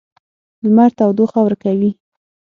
لمر تودوخه ورکوي.